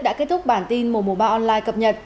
đã kết thúc bản tin mùa mùa ba online cập nhật